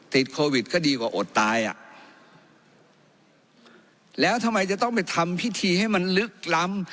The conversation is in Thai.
ติดโควิดก็ดีกว่าอดตายอ่ะแล้วทำไมจะต้องไปทำพิธีให้มันลึกล้ำ